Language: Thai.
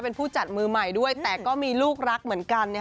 เป็นผู้จัดมือใหม่ด้วยแต่ก็มีลูกรักเหมือนกัน